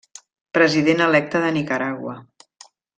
President electe de Nicaragua.